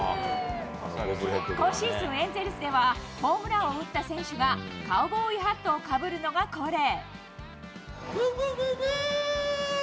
今シーズン、エンゼルスでは、ホームランを打った選手がカウボーイハットをかぶるのが恒例。